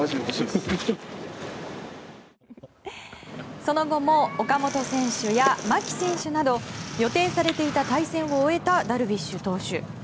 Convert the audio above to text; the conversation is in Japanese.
その後も岡本選手や牧選手など予定されていた対戦を終えたダルビッシュ投手。